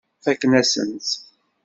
Fakken-asen-tt.